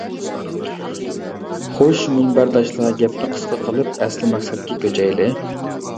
خوش مۇنبەرداشلار، گەپنى قىسقا قىلىپ ئەسلى مەقسەتكە كۆچەيلى.